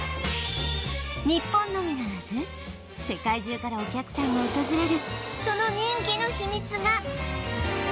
日本のみならず世界中からお客さんが訪れるその人気の秘密が